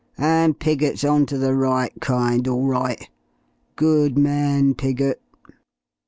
And Piggott's on to the right kind, all right. Good man, Piggott."